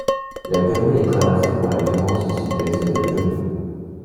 La commune est traversée par la Durance au sud-est de la commune.